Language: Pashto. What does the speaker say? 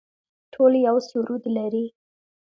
ټول یو سرود لري